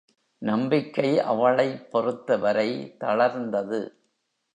நம்பிக்கை அவளைப் பொறுத்த வரை தளர்ந்தது.